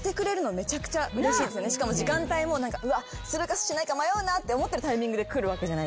しかも時間帯もするかしないか迷うなって思ってるタイミングで来るわけじゃないですか。